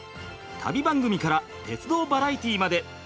旅番組から鉄道バラエティーまで！